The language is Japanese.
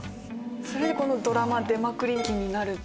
それで「ドラマ出まくり期」になる。